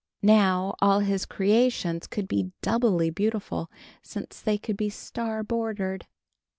Now all his creations could be doubly beautiful since they could be star bordered.